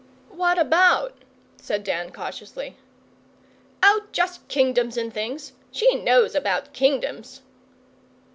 'What about?' said Dan cautiously. 'Oh, just Kingdoms and things. She knows about Kingdoms.